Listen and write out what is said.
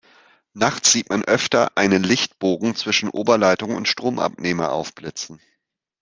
Nachts sieht man öfter einen Lichtbogen zwischen Oberleitung und Stromabnehmer aufblitzen.